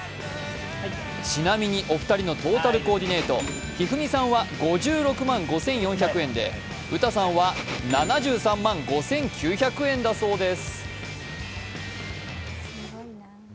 ちなみにお二人のトータルコーディネイト、一二三さんは５６万５４００円で、詩さんは７３万５９００円だそうです。